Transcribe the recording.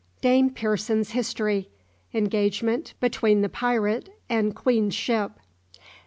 DAME PEARSON'S HISTORY ENGAGEMENT BETWEEN THE PIRATE AND QUEEN'S SHIP.